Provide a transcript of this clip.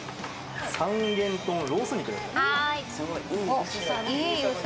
三元豚ロース肉でございます。